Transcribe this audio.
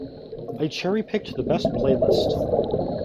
I cherry-picked the best playlist.